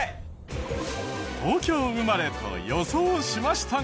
東京生まれと予想しましたが。